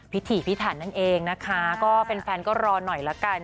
ถีพิถันนั่นเองนะคะก็แฟนก็รอหน่อยละกัน